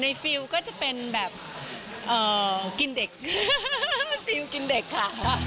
ฟิลก็จะเป็นแบบกินเด็กฟิลกินเด็กค่ะ